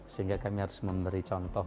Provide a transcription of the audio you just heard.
sehingga kami harus memberi contoh